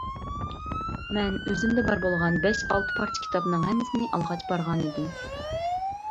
مەن ئۆزۈمدە بار بولغان بەش -ئالتە پارچە كىتابنىڭ ھەممىسىنى ئالغاچ بارغانىدىم.